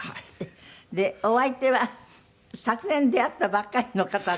でお相手は昨年出会ったばっかりの方で。